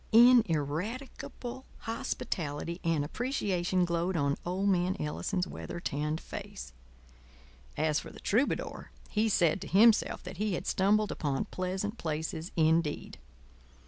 Ineradicable hospitality and appreciation glowed on old man Ellison's weather tanned face. As for the troubadour, he said to himself that he had stumbled upon pleasant places indeed.